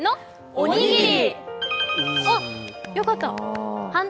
おにぎり。